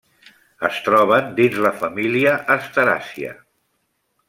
Es troben dins la família asteràcia.